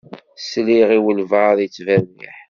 Sliɣ i walebɛaḍ yettberriḥ.